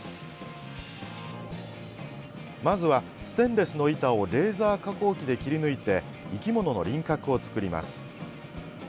まずは、ステンレスの板をレーザー加工機で切り抜いて生き物の輪郭を作ります。